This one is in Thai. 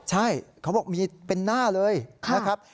ใช่เขาบอกมีเป็นหน้าเลยนะครับ